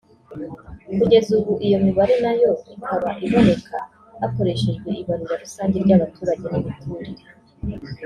Kugeza ubu iyo mibare nayo ikaba iboneka hakoreshejwe ibarura rusange ry’abaturage n’imiturire